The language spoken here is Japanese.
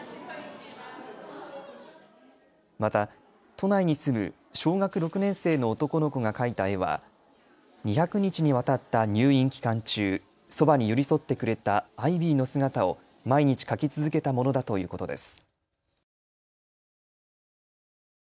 また、都内に住む小学６年生の男の子が描いた絵は、２００日にわたった入院期間中、そばに寄り添ってくれたアイビーの姿を毎日描き続けたものだということです。